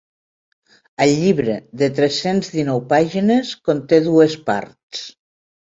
El llibre, de tres-cents dinou pàgines, conté dues parts.